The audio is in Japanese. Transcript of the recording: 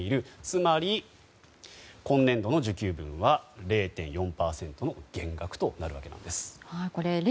つまり、今年度の受給分は０．４％の減額となるわけです。